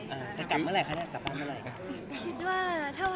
จะกลับเมื่อไหร่คะเนี่ย